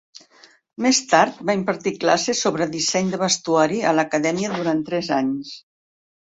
Més tard va impartir classes sobre disseny de vestuari a l'Acadèmia durant tres anys.